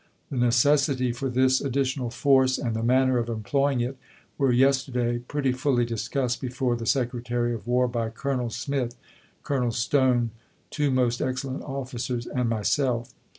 The necessity for this addi chap. iv. tional force, and the manner of employing it, were yester day pretty fully discussed before the Secretary of War by Colonel Smith, Colonel Stone (two most excellent offi cers), and myself.